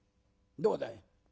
どうだい？